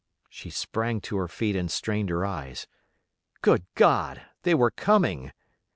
She sprang to her feet and strained her eyes. Good God! they were coming!